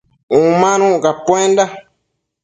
Umanuc capuenda